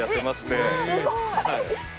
すごい！